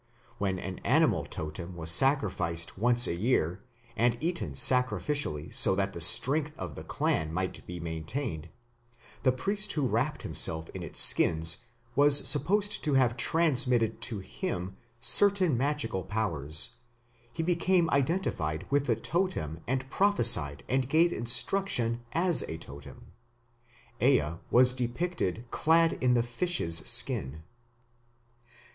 When an animal totem was sacrificed once a year, and eaten sacrificially so that the strength of the clan might be maintained, the priest who wrapped himself in its skin was supposed to have transmitted to him certain magical powers; he became identified with the totem and prophesied and gave instruction as the totem. Ea was depicted clad in the fish's skin.